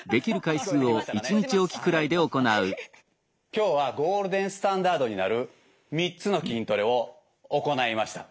今日はゴールデンスタンダードになる３つの筋トレを行いました。